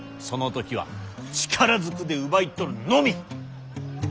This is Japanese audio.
その時は力ずくで奪い取るのみ！